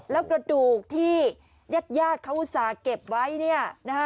แล้วกระดูกที่ญาติเขาอุตสาห์เก็บไว้